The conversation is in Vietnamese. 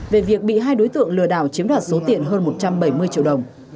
về việc bị hai đối tượng lừa đảo chiếm đoạt số tiền hơn một trăm bảy mươi triệu đồng